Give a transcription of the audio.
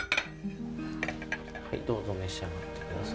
はいどうぞ召し上がって下さい。